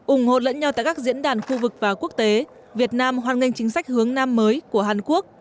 ủng hộ lẫn nhau tại các diễn đàn khu vực và quốc tế việt nam hoan nghênh chính sách hướng nam mới của hàn quốc